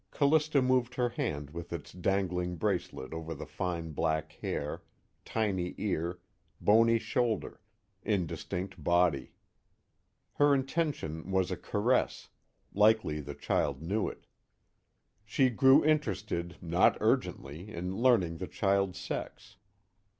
Callista moved her hand with its dangling bracelet over the fine black hair, tiny ear, bony shoulder, indistinct body. Her intention was a caress; likely the child knew it. She grew interested, not urgently, in learning the child's sex.